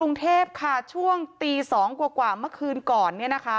กรุงเทพฯช่วงตี๒กว่าเมื่อคืนก่อน